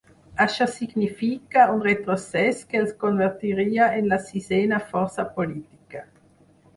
Això significa un retrocés que els convertiria en la sisena força política.